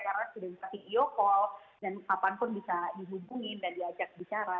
karena sudah bisa ceo call dan kapanpun bisa dihubungin dan diajak bicara